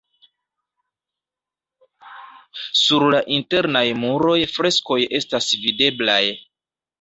Sur la internaj muroj freskoj estas videblaj.